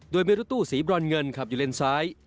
โดยมีรถตู้สีบรอนเงินขับอยู่เลนซ้าย